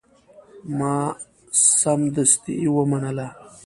ما سمدستي ومنله.